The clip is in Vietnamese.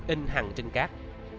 in hẳn trên cát